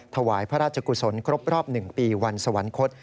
ก็จะกุศลครบ๑ปีวันสวรรคศ